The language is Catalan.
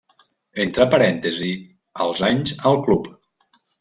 Entre parèntesis els anys al club.